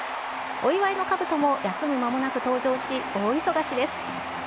お祝いのかぶとも休む間もなく登場し、大忙しです。